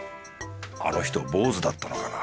あの人ボウズだったのかな？